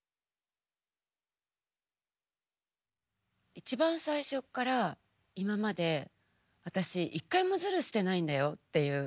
一番最初っから今まで私一回もズルしてないんだよっていう。